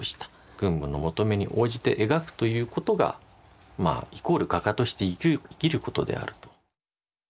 軍部の求めに応じて描くということがイコール画家として生きることであると。